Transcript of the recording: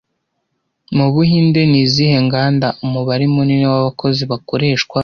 Mu Buhinde, ni izihe nganda umubare munini w'abakozi bakoreshwa